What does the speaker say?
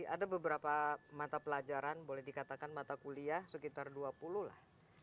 ada beberapa mata pelajaran boleh dikatakan mata kuliah sekitar dua puluh lah